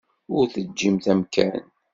Ur teǧǧimt amkan.